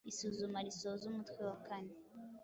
Isuzuma risoza umutwe wa kane